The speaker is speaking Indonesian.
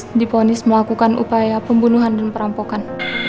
dia akan diponis melakukan upaya pembunuhan dan perampokan